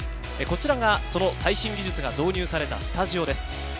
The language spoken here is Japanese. こちらがその最新技術が導入されたスタジオです。